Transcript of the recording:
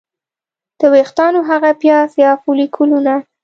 د ویښتانو هغه پیاز یا فولیکولونه